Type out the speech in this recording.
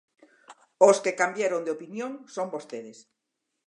Os que cambiaron de opinión son vostedes.